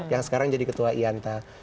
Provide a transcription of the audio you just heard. yang sekarang jadi ketua ianta